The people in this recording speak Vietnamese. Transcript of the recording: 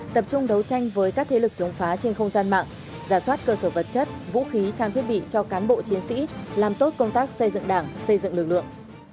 tập trung đấu tranh với các thế lực chống phá trên không gian mạng giả soát cơ sở vật chất vũ khí trang thiết bị cho cán bộ chiến sĩ làm tốt công tác xây dựng đảng xây dựng lực lượng